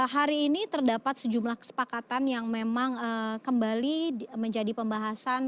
hari ini terdapat sejumlah kesepakatan yang memang kembali menjadi pembahasan